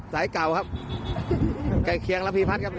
สายเก่าครับใกล้เคียงระพีพัฒน์ครับ